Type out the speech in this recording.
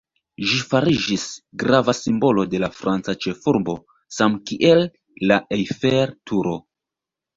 Ĝi fariĝis grava simbolo de la franca ĉefurbo, samkiel la Eiffel-Turo.